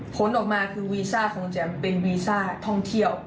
ผลออกมาคือวีซ่าคงจะเป็นวีซ่าท่องเที่ยว